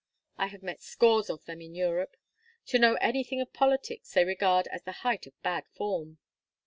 I have met scores of them in Europe. To know anything of politics they regard as the height of bad form."